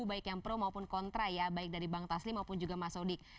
baik yang pro maupun kontra ya baik dari bang taslim maupun juga mas odik